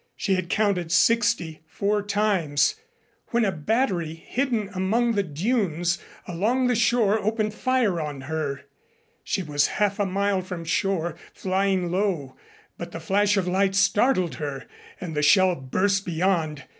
She had counted sixty four times when a battery hidden among the dunes along the shore opened fire on her. She was half a mile from shore, flying low, but the flash of light startled her and the shell burst beyond.